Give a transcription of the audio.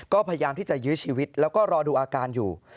ก็พยายามที่จะยื้อชีวิตแล้วก็รอดูอาการอยู่